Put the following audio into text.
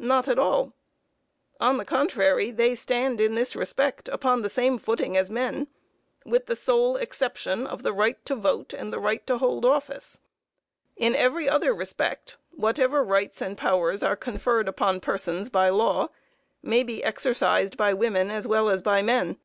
Not at all. On the contrary, they stand, in this respect, upon the same footing as men, with the sole exception of the right to vote and the right to hold office. In every other respect, whatever rights and powers are conferred upon persons by law may be exercised by women as well as by men.